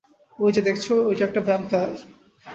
ঐযে দেখছো, এটা একটা ভ্যাম্পায়ার।